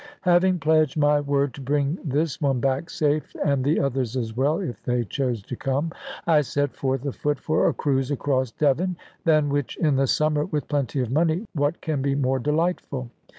Having pledged my word to bring this one back safe, and the others as well (if they chose to come), I set forth afoot for a cruise across Devon, than which, in the summer, with plenty of money, what can be more delightful?